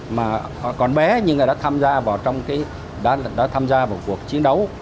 mà còn bé nhưng mà đã tham gia vào trong cái đã tham gia vào cuộc chiến đấu